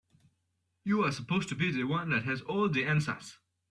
You're supposed to be the one that has all the answers.